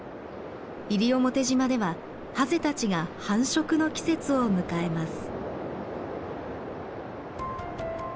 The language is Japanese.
西表島ではハゼたちが繁殖の季節を迎えます。